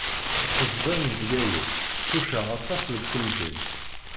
Lqesba n Bgayet tucaɛ aṭas deg temdint.